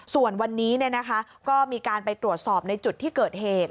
ส่วนวันนี้ก็มีการไปตรวจสอบในจุดที่เกิดเหตุ